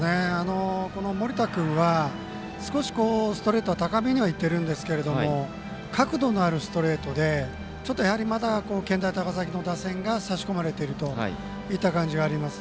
盛田君は少しストレートは高めにはいってるんですけど角度のあるストレートでちょっと健大高崎の打線が差し込まれているといった感じがあります。